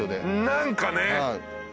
何かね。